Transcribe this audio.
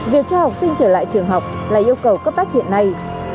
việc cho học sinh trở lại trường học là yêu cầu chính đáng